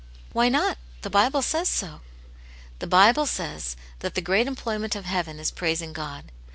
" Why not ? The Bible says so." "The Bible says that the great employment of heaven is praising God.